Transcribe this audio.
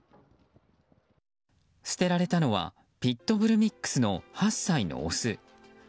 捨てられたのはピットブルミックスの８歳のオス。